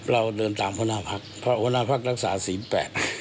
แล้วเดินตามพรรภัครบาคนาคภรรภรรภ์รักษาศีลแปด